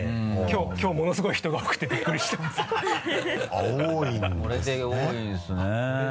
きょうものすごい人が多くてびっくりしてます